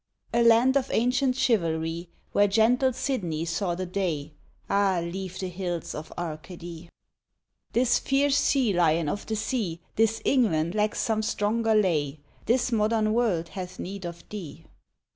A land of ancient chivalry Where gentle Sidney saw the day, Ah, leave the hills of Arcady! This fierce sea lion of the sea, This England lacks some stronger lay, This modern world hath need of thee!